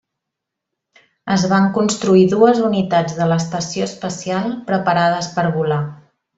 Es van construir dues unitats de l'estació espacial preparades per volar.